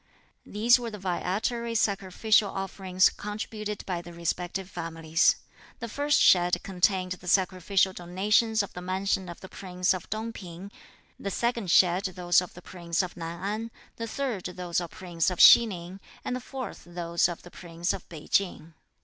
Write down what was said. These were the viatory sacrificial offerings contributed by the respective families. The first shed contained the sacrificial donations of the mansion of the Prince of Tung P'ing; the second shed those of the Prince of Nan An; the third those of the Prince of Hsi Ning, and the fourth those of the Prince of Pei Ching.